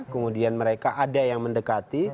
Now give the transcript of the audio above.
kemudian mereka ada yang mendekati